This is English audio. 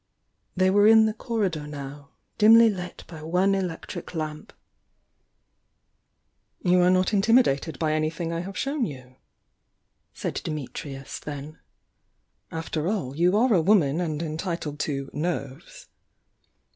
They were in the corridor now, dimly lit by one electric lamp. "You are not intimidated by anything I have shown you?" said Dimitrius, then. "After all, you are a woman and entitled to 'nerves!'